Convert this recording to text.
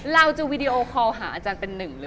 เราจะวีดีโอคอลหาอาจารย์เป็นหนึ่งเลย